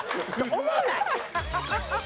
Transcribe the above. おもんない。